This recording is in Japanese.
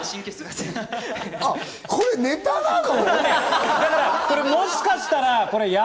これネタなの！？